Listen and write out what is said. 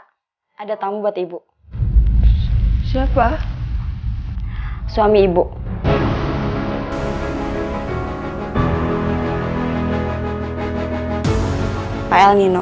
kamu terlalu baik